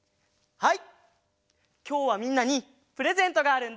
はい！